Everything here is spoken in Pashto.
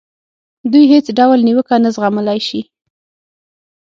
دوی هېڅ ډول نیوکه نه زغملای شي.